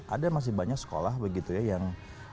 ada masih banyak sekolah begitu ya yang